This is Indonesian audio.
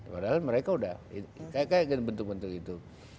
padahal mereka udah kayak bentuk bentuk itu